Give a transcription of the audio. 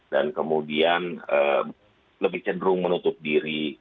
dan kemudian lebih cenderung menutup diri